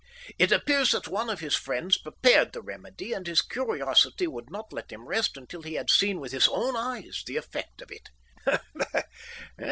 It appears that one of his friends prepared the remedy, and his curiosity would not let him rest until he had seen with his own eyes the effect of it."